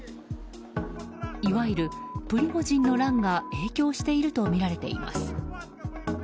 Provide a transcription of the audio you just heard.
いわゆるプリゴジンの乱が影響しているとみられています。